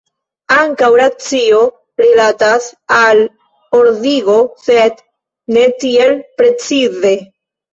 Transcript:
Ankaŭ racio rilatas al ordigo, sed ne tiel precize.